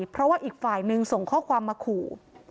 เพราะว่าอีกฝ่ายหนึ่งส่งข้อความมาขู่